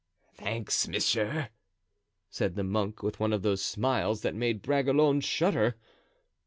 "Thanks, monsieur," said the monk, with one of those smiles that made Bragelonne shudder.